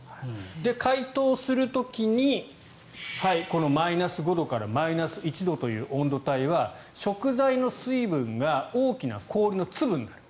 解凍する時にこのマイナス５度からマイナス１度という温度帯は食材の水分が大きな氷の粒になる。